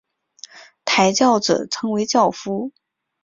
抬轿者称为轿夫。